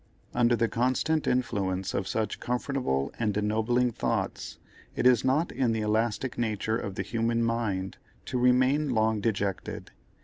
Under the constant influence of such comfortable and ennobling thoughts, it is not in the elastic nature of the human mind to remain long dejected.